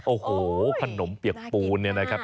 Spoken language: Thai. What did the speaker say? โอ้โหขนมเปียกปูนเนี่ยนะครับ